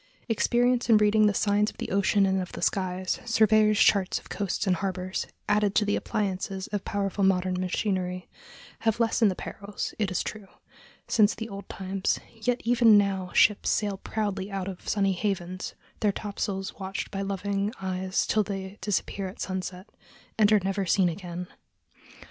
Experience in reading the signs of the ocean and of the skies, surveyors' charts of coasts and harbors, added to the appliances of powerful modern machinery, have lessened the perils, it is true, since the old times; yet even now ships sail proudly out of sunny havens, their topsails watched by loving eyes till they disappear at sunset, and are never seen again.